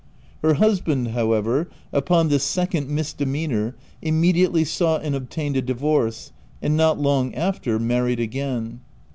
Her hus band, however, upon this second misdemeanour, immediately sought and obtained a divorce, and, not long after, married again.